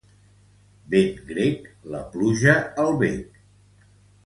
Vent grec, la pluja al bec.